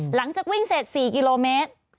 หลังจากวิ่งเสร็จ๔กิโลเมตร